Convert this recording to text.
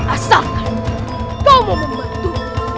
asalkan kau mau membantu